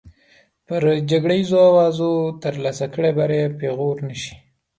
پر جګړیزو اوزارو ترلاسه کړی بری پېغور نه شي.